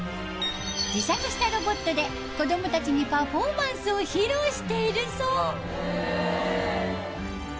自作したロボットで子どもたちにパフォーマンスを披露しているそう。